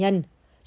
chỉ số mạch